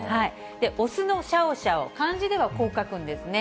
雄のシャオシャオ、漢字ではこう書くんですね。